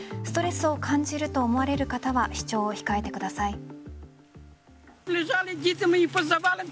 ストレスを感じると思われる方は視聴を控えてください。